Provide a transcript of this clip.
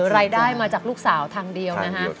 รายได้มาจากลูกสาวทางเดียวนะฮะ